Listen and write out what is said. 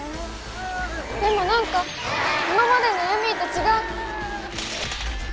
でもなんか今までのヤミーと違う。